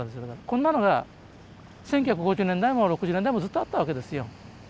こんなのが１９５０年代も６０年代もずっとあったわけですよ。